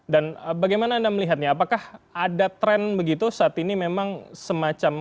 dan bagaimana anda melihatnya apakah ada tren begitu saat ini memang semacam